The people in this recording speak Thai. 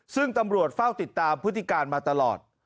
ซึ่งตำรวจเฝ้าติดตามพฤติการมาตลอด